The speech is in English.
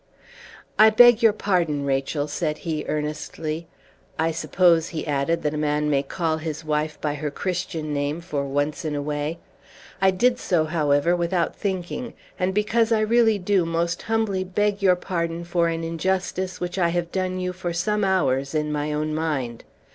"I beg your pardon, Rachel," said he, earnestly. "I suppose," he added, "that a man may call his wife by her Christian name for once in a way? I did so, however, without thinking, and because I really do most humbly beg your pardon for an injustice which I have done you for some hours in my own mind.